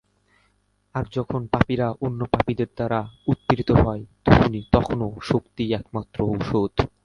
আর যখন পাপীরা অন্য পাপীদের দ্বারা, উৎপীড়িত হয়, তখনও শক্তিই একমাত্র ঔষধ।